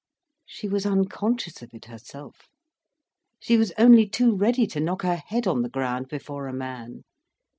She was unconscious of it herself. She was only too ready to knock her head on the ground before a man.